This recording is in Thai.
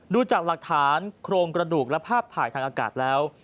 ดูจากหลักฐานโครงกระดูกและภาพถ่ายทางอากาศแล้ว